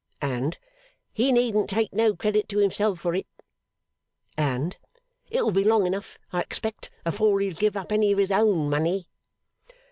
and 'He needn't take no credit to himself for it!' and 'It'll be long enough, I expect, afore he'll give up any of his own money!